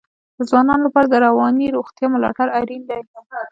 د ځوانانو لپاره د رواني روغتیا ملاتړ اړین دی.